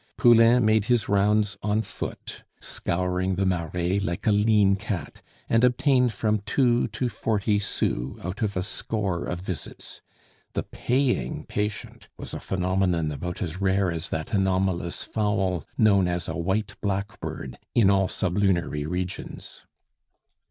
Poulain made his rounds on foot, scouring the Marais like a lean cat, and obtained from two to forty sous out of a score of visits. The paying patient was a phenomenon about as rare as that anomalous fowl known as a "white blackbird" in all sublunary regions.